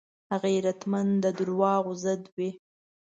غیرتمند د دروغو ضد وي